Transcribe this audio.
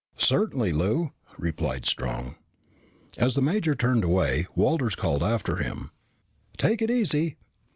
"Certainly, Lou," replied Strong. As the major turned away, Walters called after him, "Take it easy."